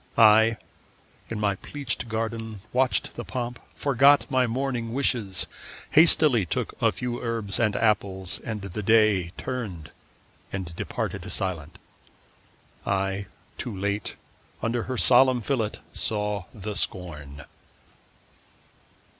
I, in my pleached garden, watched the pomp, Forgot my morning wishes, hastily Took a few herbs and apples, and the Day Turned and departed silent. I, too late, Under her solemn fillet saw the scorn.